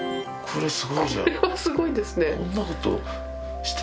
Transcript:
これはすごいですね。